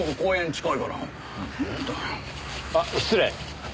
あっ失礼。